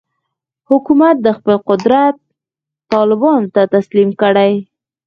حکومت خپل قدرت طالبانو ته تسلیم کړي.